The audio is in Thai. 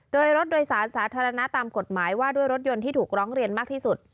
โดยรถโดยสารสาธารณะตามกฎหมายว่าด้วยรถยนต์ที่ถูกร้องเรียนมากที่สุด